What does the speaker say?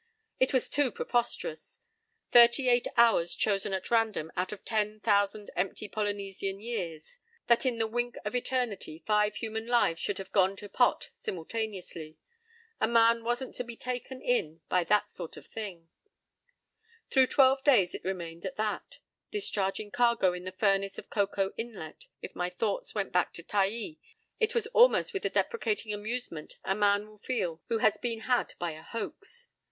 It was too preposterous. Thirty eight hours chosen at random out of ten thousand empty Polynesian years—that in that wink of eternity five human lives should have gone to pot simultaneously—a man wasn't to be taken in by that sort of thing.— Through twelve days it remained at that. Discharging cargo in the furnace of Coco Inlet, if my thoughts went back to Taai, it was almost with the deprecating amusement a man will feel who has been had by a hoax.